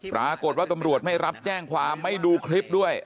ปรากฏว่าตำรวจไม่รับแจ้งความไม่ดูคลิปด้วย